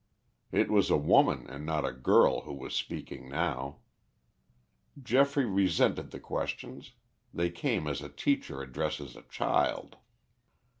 It was a woman and not a girl who was speaking now. Geoffrey resented the questions; they came as a teacher addresses a child.